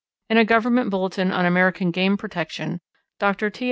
In a Government Bulletin on American Game Protection, Dr. T.